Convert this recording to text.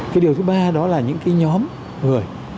cái điều thứ ba đó là những cái nhóm người